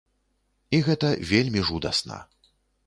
І гэта вельмі жудасна.